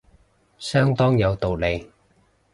相當有道理